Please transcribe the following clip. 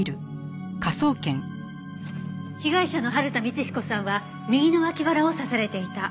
被害者の春田光彦さんは右の脇腹を刺されていた。